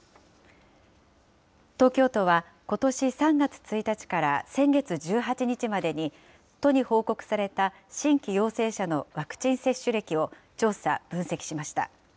東京都は、ことし３月１日から先月１８日までに、都に報告された新規陽性者のワクチン接種歴を調査・分析しました。